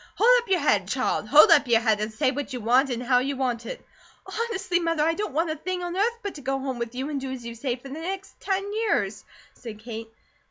Hold up your head, child! Hold up your head, and say what you want, an' how you want it!" "Honestly, Mother, I don't want a thing on earth but to go home with you and do as you say for the next ten years," said Kate.